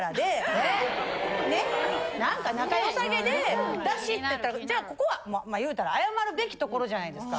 何か仲良さげでっていったらじゃあここは言うたら謝るべきところじゃないですか。